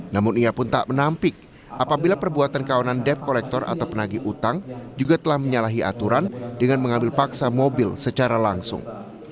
namun ia pun tak menampik apabila perbuatan kawanan debt collector atau penagi utang juga telah menyalahi aturan dengan mengambil paksa mobil secara langsung